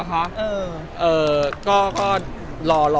ใช่เหรอ